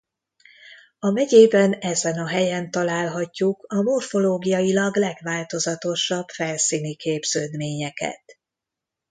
A megyében ezen a helyen találhatjuk a morfológiailag legváltozatosabb felszíni képződményeket.